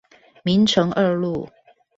明誠二路